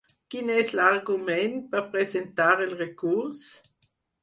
Quin és l'argument per presentar el recurs?